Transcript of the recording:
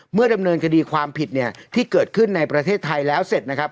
ดำเนินคดีความผิดเนี่ยที่เกิดขึ้นในประเทศไทยแล้วเสร็จนะครับ